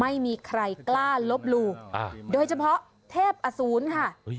ไม่มีใครกล้าลบรู้อ่าโดยเฉพาะเทพอสูรค่ะเฮ้ย